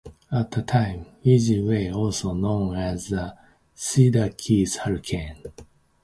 At the time, Easy was also known as the "Cedar Keys Hurricane".